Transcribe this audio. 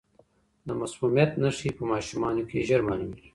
د مسمومیت نښې په ماشومانو کې ژر معلومیږي.